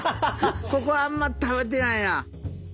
ここあんま食べてないな。